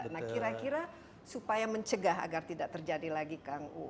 nah kira kira supaya mencegah agar tidak terjadi lagi kang uu